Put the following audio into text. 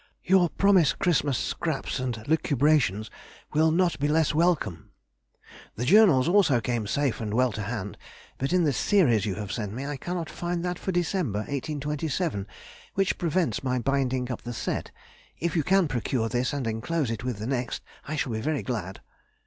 Your promised Christmas "scraps and lucubrations" will not be less welcome. The Journals also came safe and well to hand, but in the series you have sent me I cannot find that for December, 1827, which prevents my binding up the set. If you can procure this and enclose it with the next, I shall be very glad.